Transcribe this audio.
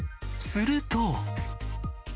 すると。